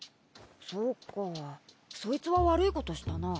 そうかそいつは悪いことしたなぁ。